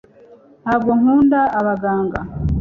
ntabwo nkunda abaganga